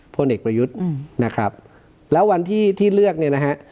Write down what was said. พลเอกประยุทธ์นะครับแล้ววันที่ที่เลือกเนี่ยนะฮะ